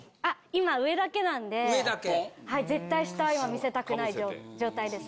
今上だけなんで絶対今下は今見せたくない状態です。